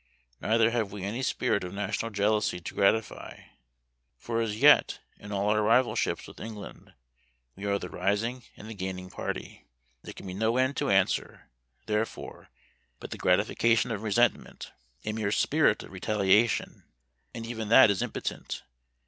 Neither have we any spirit of national jealousy to gratify; for as yet, in all our rivalships with England, we are the rising and the gaining party. There can be no end to answer, therefore, but the gratification of resentment a mere spirit of retaliation and even that is impotent.